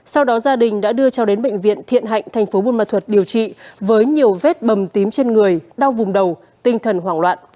sau đó gia đình đã đưa cho đến bệnh viện thiện hạnh thành phố buôn ma thuật điều trị với nhiều vết bầm tím trên người đau vùng đầu tinh thần hoảng loạn